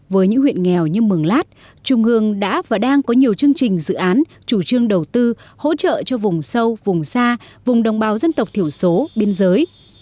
với những huyện nghèo như mường lát trung ương đã và đang có nhiều chương trình dự án chủ trương đầu tư hỗ trợ cho vùng sâu vùng xa vùng đồng bào dân tộc thiểu số biên giới